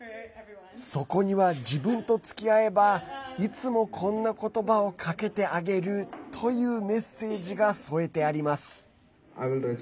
そこには、自分とつきあえばいつもこんな言葉をかけてあげるというメッセージが添えてあります。